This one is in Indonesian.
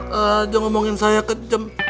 enak aja ngomongin saya kejem